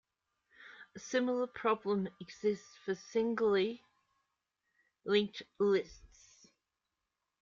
A similar problem exists for singly linked lists.